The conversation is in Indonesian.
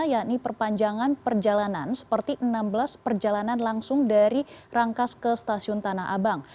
yakni perpanjangan perjalanan seperti enam belas perjalanan langsung dari rangkas ke stasiun tanah abang